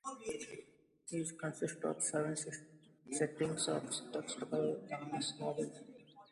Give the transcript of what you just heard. It consists of seven settings of texts by Thomas Hardy.